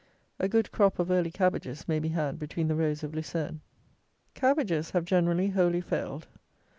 A good crop of early cabbages may be had between the rows of Lucerne. Cabbages have, generally, wholly failed.